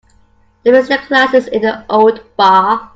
They raised their glasses in the old bar.